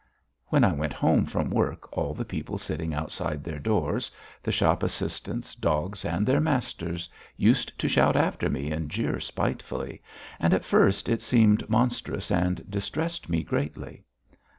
When I went home from work all the people sitting outside their doors, the shop assistants, dogs, and their masters, used to shout after me and jeer spitefully, and at first it seemed monstrous and distressed me greatly.